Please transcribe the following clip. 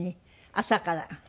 朝から。